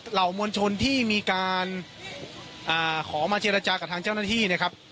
เหล่ามวลชนที่มีการขอมาเจรจากับทางเจ้าหน้าที่นะครับ